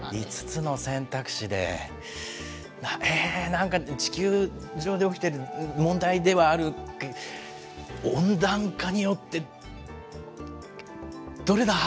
５つの選択肢で、えー、なんか地球上で起きてる問題ではある、温暖化によって、どれだ？